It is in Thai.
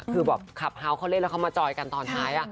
คือแบบขับเฮาส์เขาเล่นแล้วเขามาจอยกันตอนท้าย